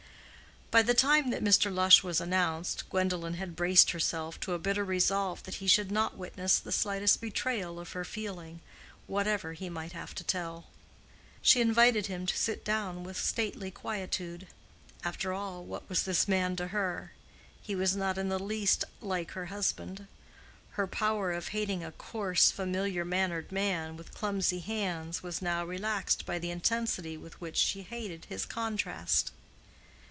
By the time that Mr. Lush was announced, Gwendolen had braced herself to a bitter resolve that he should not witness the slightest betrayal of her feeling, whatever he might have to tell. She invited him to sit down with stately quietude. After all, what was this man to her? He was not in the least like her husband. Her power of hating a coarse, familiar mannered man, with clumsy hands, was now relaxed by the intensity with which she hated his contrast.